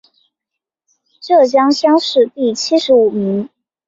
浙江乡试第七十五名。